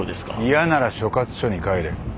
嫌なら所轄署に帰れ。